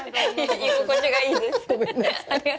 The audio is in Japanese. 居心地がいいです。